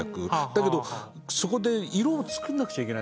だけどそこで色を作んなくちゃいけないんですよね。